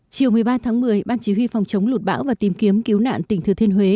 chiều một mươi ba tháng một mươi ban chỉ huy phòng chống lụt bão và tìm kiếm cứu nạn tỉnh thừa thiên huế